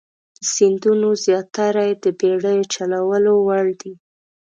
د سیندونو زیاتره یې د بیړیو چلولو وړ دي.